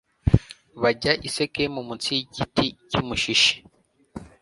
bajya i sikemu mu nsi y'igiti cy'umushishi